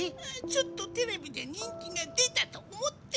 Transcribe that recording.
ちょっとテレビで人気が出たと思って。